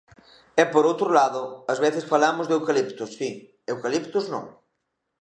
E, por outro lado, ás veces falamos de eucaliptos si, eucaliptos non.